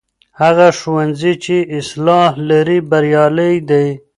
هغه ښوونځی چې اصلاح لري بریالی دی.